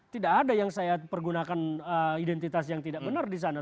tidak ada yang saya pergunakan identitas yang tidak benar di sana